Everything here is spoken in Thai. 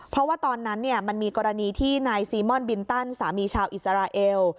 เพราะว่าตอนนั้นมันมีกรณีที่นายซีม่อนบินตันสามีชาวอิสราเอล